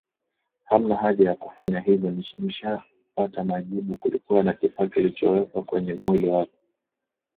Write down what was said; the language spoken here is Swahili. Hamna haja ya kufanya hivyo nimshapata majibu kulikuwa na kifaa kilichowekwa kwenye mwili wake